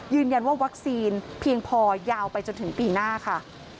ยืนยันว่าวัคซีนเพียงพอยาวไปจนถึงปีหน้าค่ะ